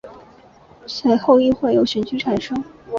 随后议会由选举产生。